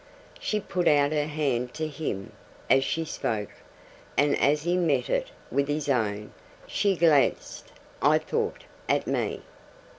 She put out her hand to him as she spoke, and, as he met it with his own, she glanced, I thought, at me.